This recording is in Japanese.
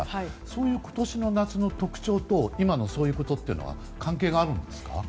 そういう今年の夏の特徴と今のそういうことというのは関係があるんですか？